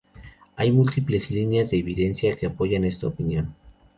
Hay múltiples líneas de evidencia que apoyan esta opinión.